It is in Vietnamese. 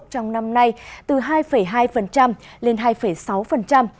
tăng trưởng kinh tế của hàn quốc trong năm nay từ hai hai lên hai sáu